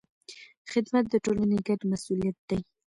خدمت د ټولنې ګډ مسؤلیت دی.